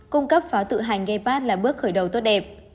cung cấp pháo tự hành gepard là bước khởi đầu tốt đẹp